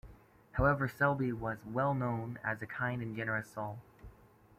However, Selby was well known as a kind and generous soul.